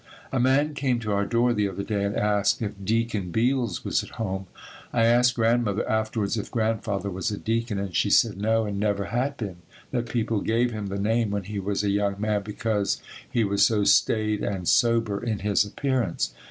'" A man came to our door the other day and asked if "Deacon" Beals was at home. I asked Grandmother afterwards if Grandfather was a Deacon and she said no and never had been, that people gave him the name when he was a young man because he was so staid and sober in his appearance.